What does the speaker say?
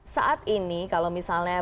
saat ini kalau misalnya